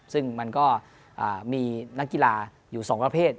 ซึ่งมันก็มีนักกีฬาอยู่๒ประเภท